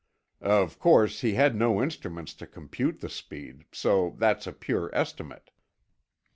"Of course, he had no instruments to compute the speed, so that's a pure estimate."